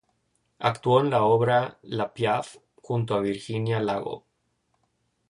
Actuó en la obra "La Piaf" junto a Virginia Lago.